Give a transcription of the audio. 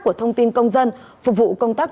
của thông tin công dân phục vụ công tác